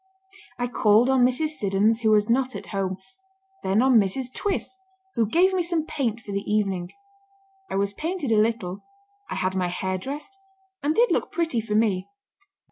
I called on Mrs. Siddons, who was not at home; then on Mrs. Twiss, who gave me some paint for the evening. I was painted a little, I had my hair dressed, and did look pretty for me."